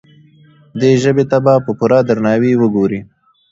دې ژبې ته په پوره درناوي وګورئ.